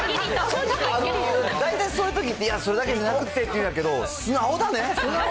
大体そういうときって、いや、それだけじゃなくって言うんだけど、素直だね。